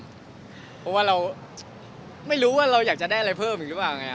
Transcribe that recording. เพราะว่าเราไม่รู้ว่าเราอยากจะได้อะไรเพิ่มอีกหรือเปล่าไง